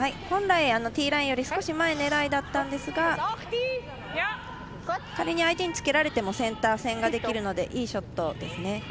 本来、ティーラインより少し前狙いだったんですが仮に相手につけられてもセンター線ができるのでいいショットですね。